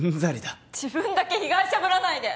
自分だけ被害者ぶらないで！